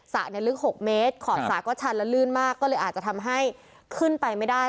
ลึก๖เมตรขอบสระก็ชันและลื่นมากก็เลยอาจจะทำให้ขึ้นไปไม่ได้